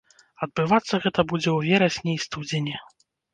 Адбывацца гэта будзе ў верасні і студзені.